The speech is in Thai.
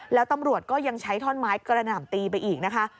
แล้วตำรวจก็ยังใช้ท่อนไม้กระหน่ำตีไปอีกนะคะ